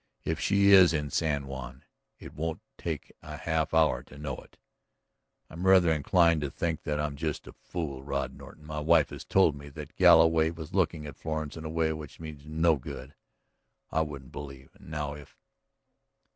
"If she is in San Juan it won't take the half hour to know it. I'm rather inclined to think that I'm just a fool, Rod Norton. My wife has told me that Galloway was looking at Florence in a way which meant no good. I wouldn't believe. And now, if